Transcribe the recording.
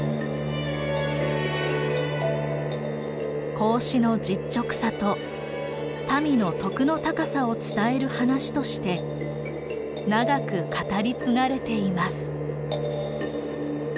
孔子の実直さと民の徳の高さを伝える話として長く語り継がれています。